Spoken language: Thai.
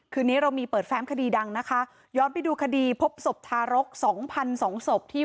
คืนนี้เรามีเปิดแฟ้มคดีดังนะคะย้อนไปดูคดีพบศพทารกสองพันสองศพที่